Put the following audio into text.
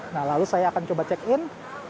nah lalu saya akan coba check in